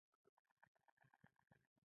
انګلیسي د لغاتو خزانه لري